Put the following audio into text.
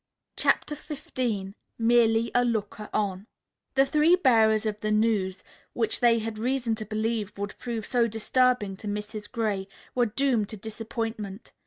CHAPTER XV MERELY A LOOKER ON The three bearers of the news, which they had reason to believe would prove so disturbing to Mrs. Gray, were doomed to disappointment.